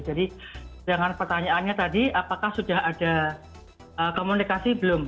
jadi dengan pertanyaannya tadi apakah sudah ada komunikasi belum